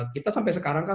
kita sampai sekarang kan